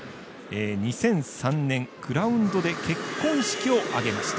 ２００３年、グラウンドで結婚式を挙げました。